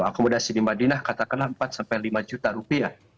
akomodasi di madinah katakanlah empat sampai lima juta rupiah